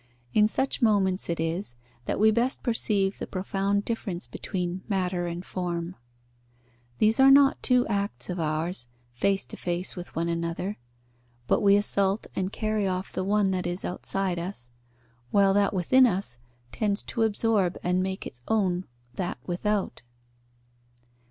In such moments it is, that we best perceive the profound difference between matter and form. These are not two acts of ours, face to face with one another; but we assault and carry off the one that is outside us, while that within us tends to absorb and make its own that without.